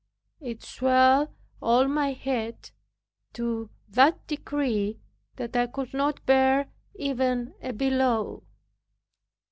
It swelled all my head to that degree that I could not bear even a pillow.